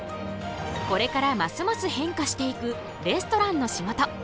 これからますます変化していくレストランの仕事。